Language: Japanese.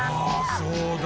そうだ。